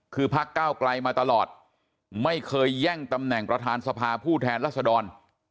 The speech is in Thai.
คือพักเก้าไกลมาตลอดไม่เคยแย่งตำแหน่งประธานสภาผู้แทนรัศดร